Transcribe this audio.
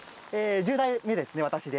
１０代目ですね私で。